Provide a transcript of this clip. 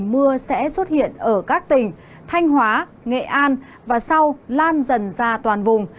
mưa sẽ xuất hiện ở các tỉnh thanh hóa nghệ an và sau lan dần ra toàn vùng